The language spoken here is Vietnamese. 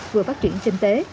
vừa phát triển trên tế